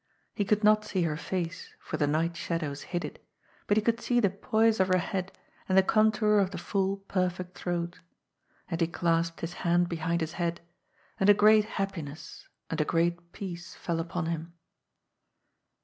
He could not see her face for the night shadows hid it, but he could see the poise of her head and the contour of the full, perfect throat. And he clasped his hand behind his head, and a great happiness and a great peace fell upon him.